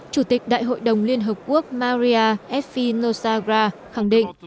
chủ tịch đại hội đồng liên hợp quốc maria fi nosagra khẳng định